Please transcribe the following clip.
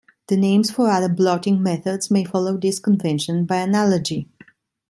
The names for other blotting methods may follow this convention, by analogy.